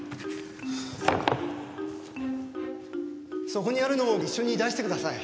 そこにあるのも一緒に出してください。